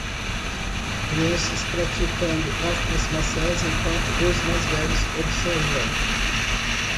Crianças praticando artes marciais enquanto os mais velhos observam.